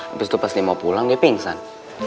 habis itu pas dia mau pulang dia pingsan